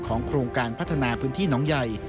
โครงการพัฒนาพื้นที่น้องใหญ่